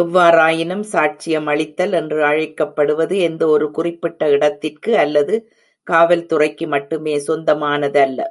எவ்வாறாயினும், "சாட்சியமளித்தல்" என்று அழைக்கப்படுவது எந்த ஒரு குறிப்பிட்ட இடத்திற்கு அல்லது காவல் துறைக்கு மட்டுமே சொந்தமானதல்ல.